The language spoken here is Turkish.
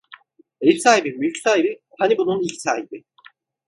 Ev sahibi mülk sahibi, hani bunun ilk sahibi.